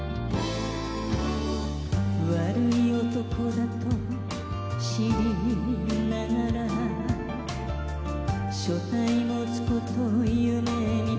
悪い男だと知りながら所帯持つことを夢見た